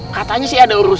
katanya sih ada urusan